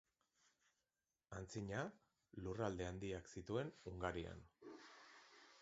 Antzina, lurralde handiak zituen Hungarian.